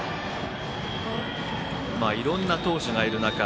いろんな投手がいる中